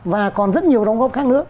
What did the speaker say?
và còn rất nhiều đóng góp khác nữa